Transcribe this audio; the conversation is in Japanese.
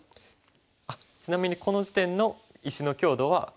ちなみにこの時点の石の強度は。